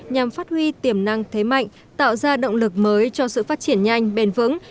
nhằm phát huy tiềm năng thế mạnh tạo ra động lực mới cho sự phát triển nhanh bền vững